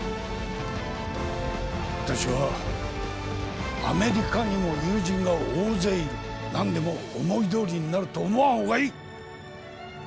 私はアメリカにも友人が大勢いる何でも思いどおりになると思わん方がいい！